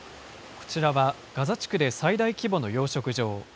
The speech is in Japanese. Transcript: こちらはガザ地区で最大規模の養殖場。